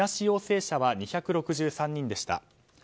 陽性者は２６３人でした。